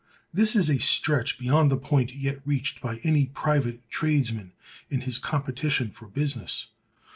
This is a stretch beyond the point yet reached by any private tradesman in his competition for business.